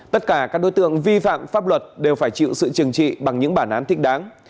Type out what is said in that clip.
tất cả các đối tượng vi phạm pháp luật đều phải chịu sự trừng trị bằng những bản án thích đáng